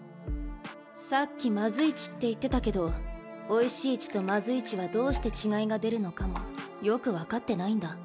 さっきまずい血って言ってたけどおいしい血とまずい血はどうして違いが出るのかもよく分かってないんだ。